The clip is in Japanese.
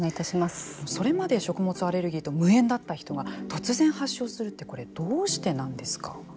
それまで食物アレルギーと無縁だった人が突然発症するってこれ、どうしてなんですか。